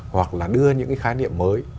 hoặc là đưa những cái khái niệm mới